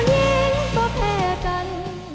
ถ้าเกียรติศูนย์รักกายดับเจ้าหญิงก็แพ้กัน